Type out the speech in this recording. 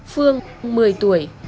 phương một mươi tuổi